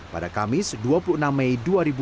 pada kamis dua puluh enam mei dua ribu dua puluh